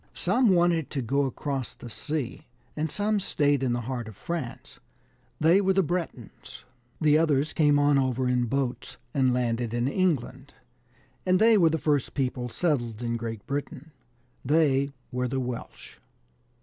Some wanted to go across the sea, and some stayed in the heart of France : they were the Bretoons.* The others came on over in boats, and landed in England, and they were the first people settled in Great Britain : they were the Welsh.